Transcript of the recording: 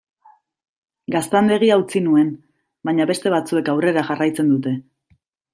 Gaztandegia utzi nuen, baina beste batzuek aurrera jarraitzen dute.